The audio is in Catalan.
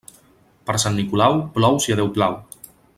Per Sant Nicolau, plou si a Déu plau.